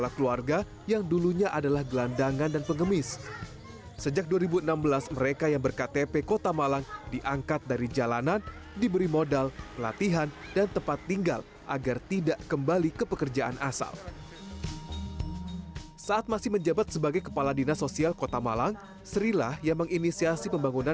kampung topeng jawa timur